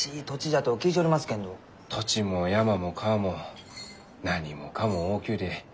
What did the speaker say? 土地も山も川も何もかも大きゅうて。